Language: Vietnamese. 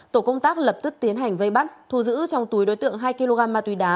tổ công tác lập tức tiến hành vây bắt thu giữ trong túi đối tượng hai kg ma túy đá